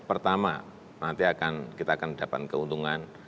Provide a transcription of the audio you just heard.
pertama nanti kita akan dapat keuntungan